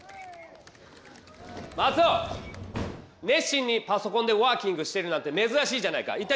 熱心にパソコンでワーキングしてるなんてめずらしいじゃないか。